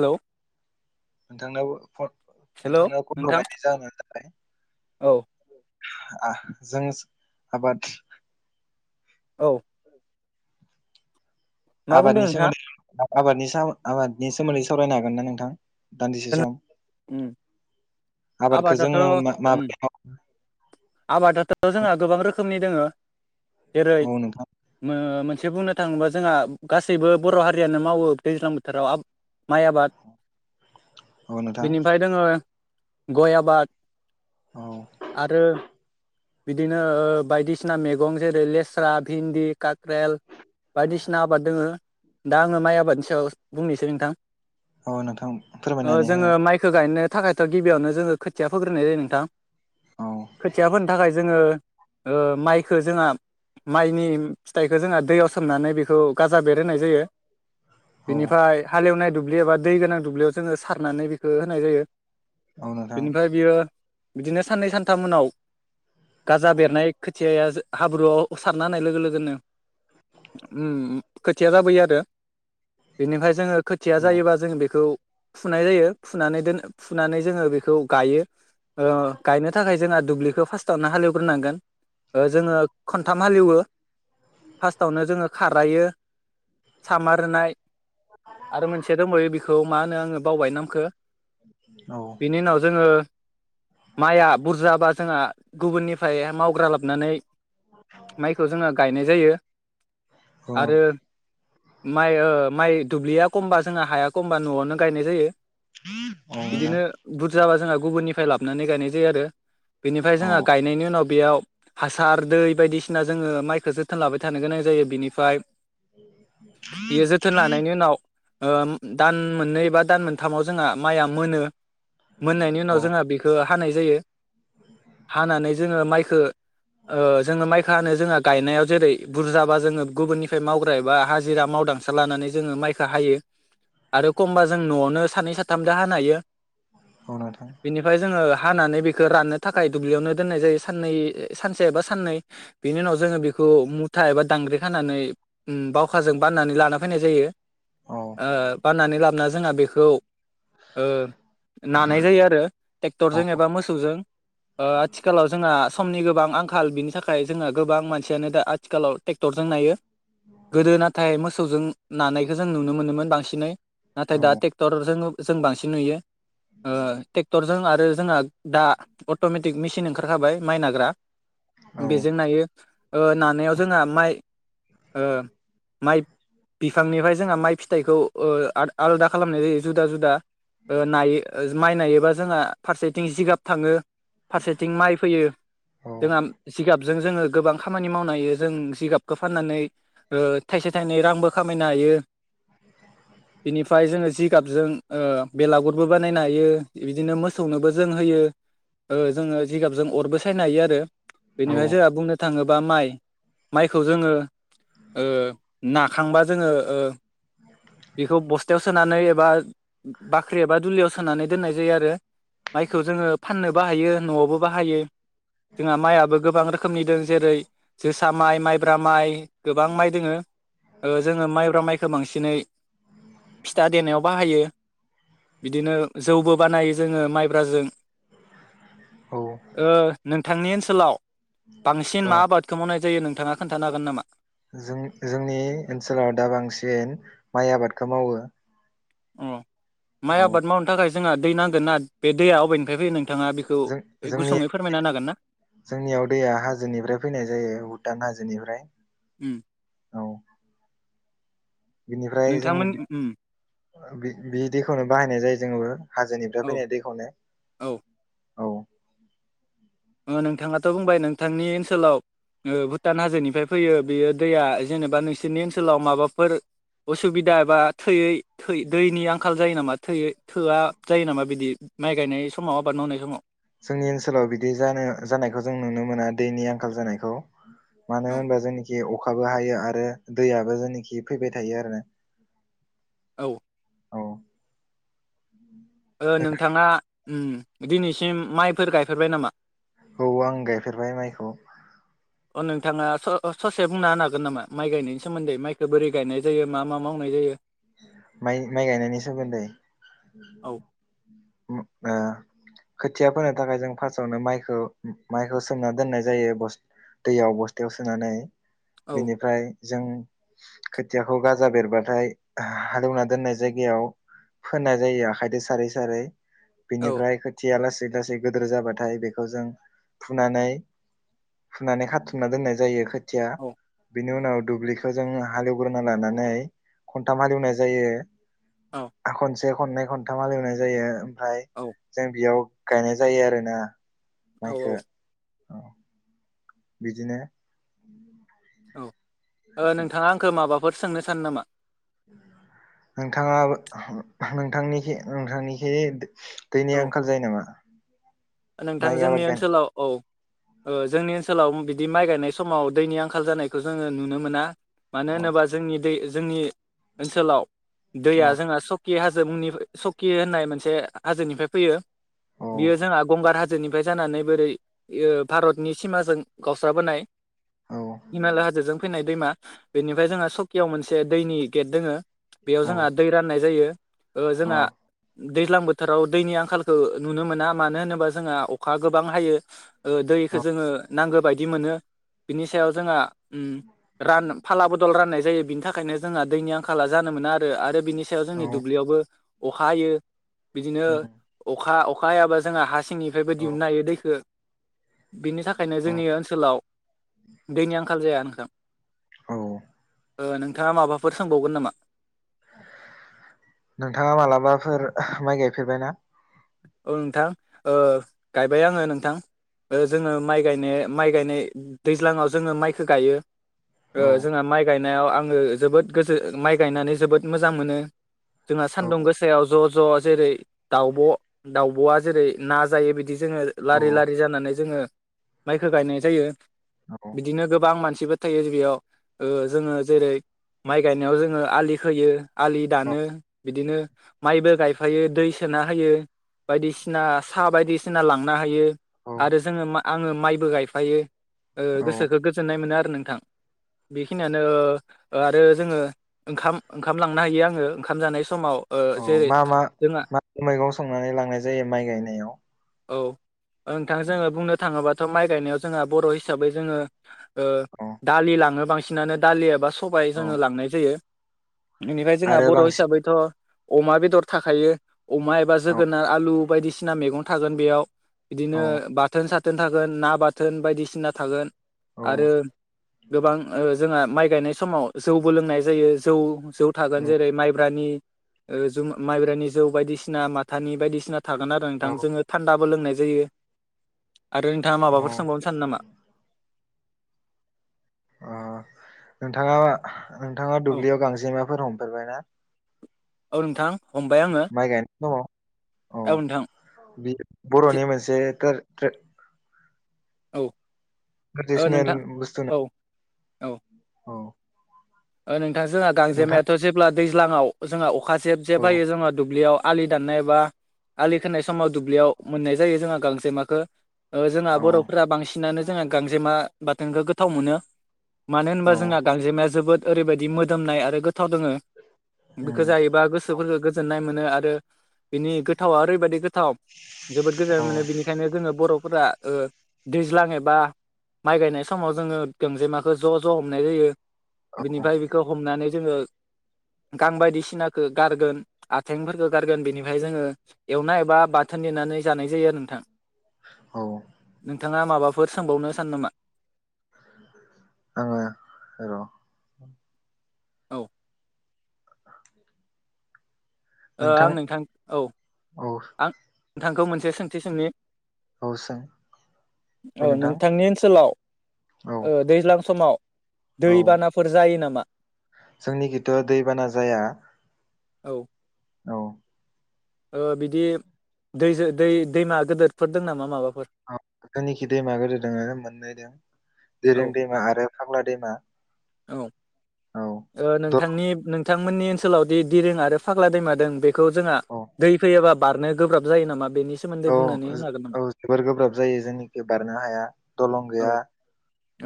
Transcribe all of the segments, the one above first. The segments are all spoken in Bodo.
हेल' नोंथांनाव फन हेलौ नोंथांनो फन नोंथां हरनायनि जाहोनानो जाबाय औ आ जों आबाद औ मा बुंदों आबादनि नोंथाङा? सोमोन्दै आबादनि साव आबादनि सोमोन्दै सावरायनो हागोन ना नोंथां दान्दिसे सम? उम आबादखौ आबादाथ' जोङो मा माबोरै आबादाथ' मावो? जोंहा गोबां रोखोमनि दोङो। जेरै- औ नोंथां मोनसे बुंनो थाङोबा जोंहा गासैबो बर' हारियानो मावो दैज्लां बोथोराव आबाद माइ आबाद औ नोंथां बिनिफ्राय दोङो गय आबाद औ आरो बिदिनो बायदिसिना मैगं जेरै- लेस्रा, भिन्दि, काक्रेल, बायदिसिना आबाद दोङो। दा आङो माइ आबादनि सायाव बुंनोसै नोंथां। औ नोंथां ओ फोरमायनानै हो जोङो माइखौ गायनो थाखायथ' गिबियावनो जोङो खोथिया फोग्रोनाय जायो नोंथां। औ खोथिया फोनो जोङो माइखो जोंहा माइनि फिथाइखौ जोंहा दैयाव सोमनानै बेखौ गाजा बेरहोनाय जायो। औ बिनिफ्राय हालेवनाय दुब्लि एबा दै गोनां दुब्लियाव जोङो सारनानै बेखौ होनाय जायो। औ नोंथां बिनिफ्राय बियो बिदिनो साननै सानथाम उनाव गाजा बेरनाय खोथियाया हाब्रुआव सारना होनाय लोगो- लोगोनो उम खोथिया जाबोयोआरो। बेनिफ्राय जोङो खोथिया औ जायोबा जोङो बेखौ फुनाय जायो फुनानै दोन फुनानै जोङो बेखौ गायो। ओ गायनो थाखाय जोंना दुब्लि बेखौ फार्स्टावनो हालेवग्रोनांगोन जोङो खनथाम हालेवो फार्स्टआवनो जोङो खारायो सामार होनाय आरो मोनसेया दंबो बेखौ मा होनो आङो बावबाय नामखौ औ बिनि उनाव जोङो माइआ बुरजाबा जोंहा गुबुननिफ्राय मावग्रा लाबनानै माइखौ जोङो गायनाय जायो औ आरो माइ ओ माइ दुब्लिया खमबा जोंहा हाया खमबा न'आवनो गायनाय जायो नोंथां बिदिनो बुरजाबा जोंहा गुबुननिफ्राय लाबोनानै गायनाय जायो आरो बेनि फ्राय जोंहा औ गायनायनि उनाव बेयाव हासार दै बायदिसिना जोङो माइखौ जोथोन लाबाय थानो गोनां जायो बिनि निफाय बियो जोथोन लानायनि उनाव ओ दान मोननै बा दान मोनथामाव जोंहा माइया मोनो मोननायनि उनाव औ जोंहा बेखौ हानाय जायो हानानै जोङो माइखो ओ जोङो माइखौ हानो जोंहा गायनायाव जेरै बुरजाबा जोङो गुबुननिफ्राय मावग्रा ए बा हाजिरा माव दांसो लानानै जोङो माइखौ हायो आरो एखमबा जों न'आवनो सानै साथाम दो हानो हायो औ नोंथां बिनिफ्राय जोङो हानानै बेखौ राननो थाखाय दुब्लियावनो दोननाय जायो सानै सानसे एबा साननै बिनि उनाव जोङो बेखौ मुथा एबा दां दांग्रि खानानै बावखाजों बाननानै लाना फैनाय जायो औ ओ बाननानै लाबोना जोंहा बेखौ ओ नानाय जायो आरो औ ट्रेक्टरजों एबा मोसौजों ओ आथिखालाव जोंहा समनि गोबां आंखाल बिनि थाखाय जोंङो गोबां मानसियानो दा आथिखालाव ट्रेक्टरजों नायो गोदो नाथाय मोसौजों नानायखौ जों नुनो मोनोमोन बांसिनै नाथाय दा औ ट्रेक्टरजों जों बांसिन नुयो ओ ट्रेक्टर जों आरो जोंहा दा अट'मेटिक मेसिन ओंखारखाबाय माइ नाग्रा औ बेजों नायो ओ नानायाव जोंहा माइ ओ माइ बिफांनिफ्राय जोंहा माइ फिथाइखौ ओ आद आलदा खालामनाय जायो जुदा जुदा ओ नायो माइ नायोबा जोंहा फारसेथिं जिगाब थाङो फारसेथिं माइ फैयो जोंहा औ जिगाबजों जोङो गोबां खामानि मावनो हायो जों जिगाबखौ फाननानै ओ थाइसे थाइनै रांबो खामायनो हायो बिनिफ्राय जोङो जि गाबजों बेलागुरबो बानायनो हायो बिदिनो मोसौनोबो जों होयो ओ जोङो जिगाबजों अरबो सायनो हायो आरो औ बेनिफ्रायाय जोंहा बुंनो थाङो बा माइ माइखौ जोङो ओ नाखांबा जोङो ओ बेखौ बस्थायाव सोनानै एबा बाख्रि एबा दुलियाव सोनानै दोननाय जायो आरो माइखौ जोङो फाननो बो हायो न'आवबो बाहायो जोंहा माइआबो गोबां रोखोमनि दं जेरै जोसा माइ माइब्रा माइ गोबां माइ दोङो जोङो माइब्रा माइखौ बांसिनै फिथा देनायाव बाहायो बिदिनो जौबो बानायो जोङो माइब्राजों औ ओ नोंथांनि ओनसोलाव बांसिन औ मा आबादखौ मावनाय जायो नोंथाङा खोन्थानो हागोन नामा? जों जोंनि ओनसोलाव दा बांसिन माइ आबादखौ मावो औ अमाइ आबाद मावनो थाखाय जोंहा दै नांगोन ना बे दैया अबेनिफ्राय फैयो नों जों जोंनियाव ना जोंनियाव दैया हाजोनिफ्राय फैनाय जायो भुटान हा जोनिफ्राय उम बिनिफ्राय जों नोंथांमोन उम बि बि दैखौनो बाहायनाय जायो जोंबो हाजोनिफ्राय औ फैनाय दैखौ नो औ ओ नोंथाङाथ' बुंबाय नोंथांनि ओनसोलाव ओ भुटान हाजोनिफ्राय फैयो बेयो दैया जेनेबा नोंसोरनि ओनसोलाव माबाफोर असुबिदा एबा थोयै थो दैनि आंखाल जायो नामा थोयै थोआ जायो नामा बिदि माइ गायनाय समाव आबाद मावनाय समाव जोंनि ओनसोलाव बिदि जानो जानायखौ जों नुनो मोना दैनि आंखाल जानायखौ मानो औ होनबा जेनाखि अख खाबो हायो आरो दैयाबो जेनाखि फैबाय थायो आरो ना औ ओ नोंथाङा ओ दिनैसिम माइफोर गायफेरबाय नामा? औ आं गायफेरबाय माइखौ अ नोंथाङा स ससे बुंना होनो हागोन नामा माइ गायनायनि सोमोन्दै माइखौ बोरै गायनाय जायो मा मा मावनाय जायो माइ माय गायनायनि सोमोन्दै औ ओम ओ खोथिया फोनो थाखाय जों फार्सआवनो माइखौ माइखौ सोमना दोननाय जायो बस- दैयाव बस्थायाव सोनानै औ बिनिफ्राय जों खोथियाखौ गाजा बेरबाथाय हालेवना दोननाय जायगायाव फोनाय जायो आखाइजों सारै सारै औ बिनिफ्राय खोथियालासि लासै लासै गिदोर जाबाथाय बेखौ जों फुनानै फुनानै खाथुमना दोननाय जायो खोथिया बेनि उनाव दुब्लिखौ जोङो हालेवग्रोना लानानै खन्थाम हालेवनाय जायो औ बे खननै खनथाम हालेवनाय जायो ओमफ्राय औ जों बेयाव गायनाय जायो आरोना औ औ औ बिदिनो औ ओ नोंथाङा आंखौ माबाफोर सोंनो सानो नामा नोंथाङा नोंथांनि नोंथांनिखि दैनि औ आंखाल जायो नामा? नोंथां माइ जोंनि आबाद गाय ओनसोलाव औ ओ जोंनि ओनसोलाव बिदि माइ गायनाय समाव दैनि आंखाल जानायखौ जोंङो नुनो मोना मानो अ होनोबा जोंनि दै जोंनि ओनसोलाव दैया औ जोंहा स कि हाजो मुंनि सकि होननाय मोनसे हाजोनिफ्राय फैयो औ बियो जोंहा गंगार हाजोनिफ्राय जानानै बोरै ओ भारतनि सिमाजों गावस्राबोनाय औ हिमालय हाजोजों फैनाय दैमा बेनिफ्राय जोंहा सकियाव मोनसे दैनि गेट दोंङो बेयाव अ जोंहा दै राननाय जायो ओ जोंहा दैज्लां बोथोराव दैनि आंखालखौ नुनो मोना मानो होनोबा जोंहा अखा गोबां हायो ओ दैखो औ जोंङो नांगौ बायदि मोनो। बिनि सायाव जोंहा उम रान फाला बदल राननाय जायो बिनि थाखायनो जोंहा दैनि आंखाला जानो मोना आरो बिनि सायाव जोंनि दुब्लियावबो अखा हायो बिदिनो अखा अखा हायाबा जोंहा हा सिंनिफ्रायबो औ दिहुननो हायो दैखो बिनि थाखायनो औ जोंनि ओनसोलाव दैनि आंखाल जाया नोंथां औ ओ नोंथांङा माबाफोर सोंबावगोन नामा? नोंथांङा मालाबाफोर माइ गायफेरबाय ना? औ नोंथां ओ गायबाय आङो नोंथां ओ जोङो माइ गायनो माइ गायनाय दैज्लांङाव जोंङो माइखो गायो ओ औ जोंहा माइ गायनायाव आंङो जोबोद गोजो माइ गायनानै जोबोद मोजां मोनो जोंहा औ सानदुं गोसायाव ज' ज' जेरै दाउब' दाउब'आ जेरै ना जायो बिदि जोंङो औ लारि लारि जानानै जोंङो माइखो गायनाय जायो बिदिनो गोबां मानसिबो थायो बेयाव ओ जोंङो जेरै माइ गायनायाव जोंङो आलि खोयो। आलि औ दानो बिदिनो माइबो गायफायो दै सोना होयो। बायदिसिना साहा बायदिसिना लांना हायो औ आरो जोंङो आंङो माइबो गायफायो। ओ औ गोसोखौ गोजोननाय मोनो आरो नोंथां। बेखिनियानो आरो जोंङो ओंखाम ओंखाम लांना हायो ओंखाम जानाय समाव। ओ औ जेरै मा मा जोंहा मा मैगं संनानै लांनाय जायो माइ गायनायाव औ नोंथां जोंङो बुंनो थांङोबाथ' माइ गायनायाव जोंहा बर' हिसाबै जोंङो ओ औ दालि लाङो बांसिनानो दालि एबा सबाय औ जोंङो लांनाय जायो। इनिफ्राय जोंहा आरो बर' बांसिन हिसाबैथ' अमा बेदर थाखायो अमा एबा जो औ गोनार आलु बायदिसिना मैगं थागोन बेयाव। औ बिदिनो बाथोन साथोन थागोन ना बाथोन बायदिसिना थागोन औ आरो गोबां जोंहा माइ गायनाय समाव जौबो लोंनाय जायो जौ जौ थागोन औ जेरै माइब्रानि ओ जुम माइब्रानि जौ बायदिसिना माथानि बायदिसिना थागोन आरो नोंथां जोंङो थान्दाबो लोंनाय जायो। आरो नोंथाङा औ माबाफोर सोंबावनो सानो नामा अ नोंथांङा नोंथांङा औ दुब्लियाव गांजेमाफोर हमफेरबाय ना? औ नोंथां हमबाय आङो माइ गायनाय समाव औ बि बर'नि मोनसे कोर थ्रे औ ओ थ्रेदिसेनेल नोंथां बस्थु औ ना औ औ नोंथां जोंहा नोंथां गांजेमायाथ' जेब्ला दैज्लाङाव जोंहा अखा जेब जेब औ हायो जोंङो दुब्लियाव आलि दाननाय बा आलि खोननाय समाव दुब्लियाव मोननाय जायो जोंहा गांसेमाखो ओ जोंहा औ बर'फोरा बांसिनानो जोंहा गांजेमा बाथोनखौ गोथाव मोनो मानो होनबा औ जोंहा गांजेमाया जोबोद ओरैबायदि मोदोमनाय आरो गोथाव दोंङो बेखौ उम जायोबा गोसोफोरखौ गोजोननाय मोनो आ ओ बिनि गोथावा ओरैबायदि गोथाव जोबोद गोजोननाय औ मोने बेनिखायनो जोङो बर' फोरा ओ दैज्लाङो एबा माइ गायनाय समाव जोङो गोंजेमाखो ज' ज' हमनाय जायो औ बिनिफ्राय बेखौ हमनानै जोङो गां बायदिसिनाखौ गारगोन आथेंफोरखौ गारगोन बेनिफ्राय जोङो एवनाय एबा बाथोन मेनानै जानाय जायो आरो नोंथां औ नोंथाङा माबाफोर सोंबावनो सानो नामा आङो र' औ ओ आं नोंथां औ औ आं नोंथांखौ मोनसे सोंथि सोंनि? औ सों औ नोंथांनि ओनसोलाव औ ओ दैज्लां समाव औ दैबानाफोर जायो नामा जोंनि खिथ' दैबाना जाया औ औ ओ बिदि दैजो दै दैमा गदोरफोर दं नामा माबाफोर अ जोंनिखि दैमा गोदोर दङ मोनैदों औ जेरें दैमा आरो फाग्ला दैमा औ औ ओ दल नोंथांनि नो बिथांमोननि ओनसोलाव दि दिरों आरो फाग्ला दैमादोंङो बेखौ जोंहा औ दै फैयोबा बारनो गोब्राब जायो नामा? बेनि सोमोन्दै औ बुंनानै होनो हागोन नामा? औ जोबोर गोब्राब जायो जेनिखि बारनो हाया दलं औ गैया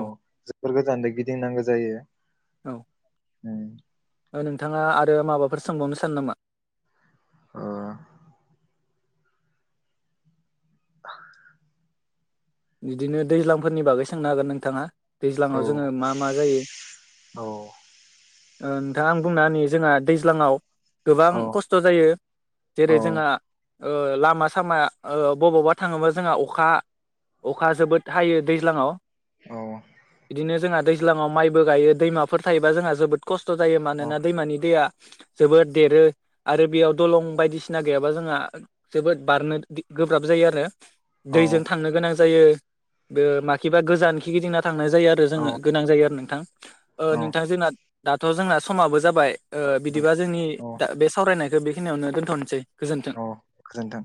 औ जोबोर गोजानै गिदिंनांगौ जायो औ ओम दा नोंथाङा आरो माबाफोर सोंबावनो सानो नामा औ [inaudible] बिदिनो दैज्लांफोरनि बागै सोंनो हागोन नोंथाङा दैज्लाङाव जोङो औ मा मा जायो ओ नोंथाङा आं बुंना होनि जोंहा दैज्लाङाव गोबां औ खस्थ' जायो औ जेरै जोंहा ओ लामा सामा ओ बबावबा थाङोबा जोंहा अखा अखा जोबोद हायो दैज्लाङाव औ बिदिनो जोंहा दैज्लाङाव माइबो गायो दैमाफोर थायोबा जोंहा जोबोद खस्थ' जायो औ मानोना दैमानि दैया जोबोद देरो आरो बेयाव दलं बायदिसिना गैयाबा जोंहा जोबोद बारनो दिग गोब्राब जायो आरो दैजों थांनो गोनां जायो बे माखिबा गोजान खिगिदिंना थांनाय जायो आरो औ जोङो गोनां जायो आरो नोंथ औ नोंथां जोंना दाथ' जोंना समाबो जाबाय ओ बिदिबा नोंथां, जोंनि औ दा बे सावरायनायखौ बेखिनियावनो दोन्थ'नोसै गोजोन्थों औ गोजोनथों